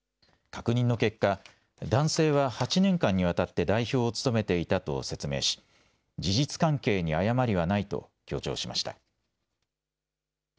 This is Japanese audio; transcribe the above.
確認の結果、男性は８年間にわたって代表を務めていたと説明し、事実関係に誤りはないと強調しました。